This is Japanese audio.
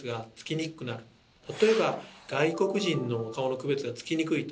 例えば外国人の顔の区別がつきにくいと。